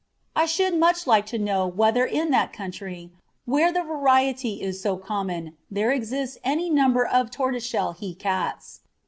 I should much like to know whether in that country, where the variety is so common, there exists any number of tortoiseshell he cats.